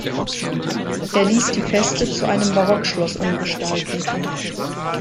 Er ließ die Feste zu einem Barockschloss umgestalten.